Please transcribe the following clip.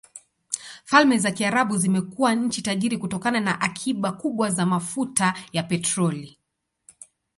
Falme za Kiarabu zimekuwa nchi tajiri kutokana na akiba kubwa za mafuta ya petroli.